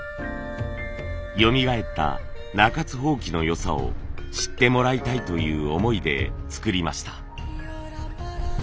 よみがえった中津箒のよさを知ってもらいたいという思いで作りました。